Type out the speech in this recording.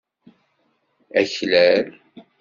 Aklal.